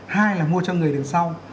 hai là mua cho người đường sau